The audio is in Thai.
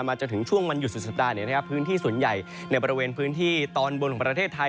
จนถึงช่วงวันหยุดสุดสัปดาห์พื้นที่ส่วนใหญ่ในบริเวณพื้นที่ตอนบนของประเทศไทย